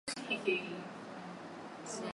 Ronaldo alicheza kwenye ngazi ya vilabu vya